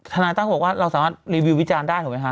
นายตั้มบอกว่าเราสามารถรีวิววิจารณ์ได้ถูกไหมคะ